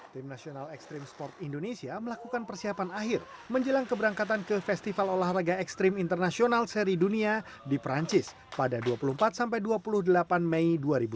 tim nasional ekstrim sport indonesia melakukan persiapan akhir menjelang keberangkatan ke festival olahraga ekstrim internasional seri dunia di perancis pada dua puluh empat sampai dua puluh delapan mei dua ribu dua puluh